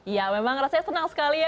ya memang rasanya senang sekali ya